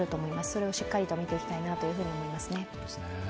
それをしっかりと見ていきたいなと思いますね。